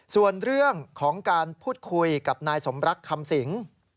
ส่วนเรื่องของการพูดคุยกับนายสมรักคำสิง